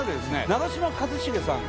長嶋一茂さん